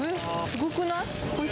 すごくない？